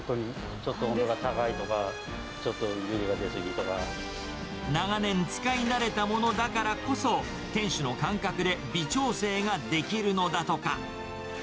ちょっと温度が高いとか、長年、使い慣れたものだからこそ、店主の感覚で微調整ができるのだとか。